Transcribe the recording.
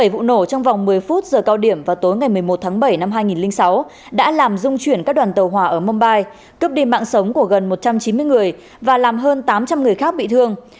vụ nổ trong vòng một mươi phút giờ cao điểm vào tối ngày một mươi một tháng bảy năm hai nghìn sáu đã làm dung chuyển các đoàn tàu hỏa ở mumbai cướp đi mạng sống của gần một trăm chín mươi người và làm hơn tám trăm linh người khác bị thương